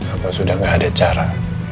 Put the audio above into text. aku sudah gak ada cara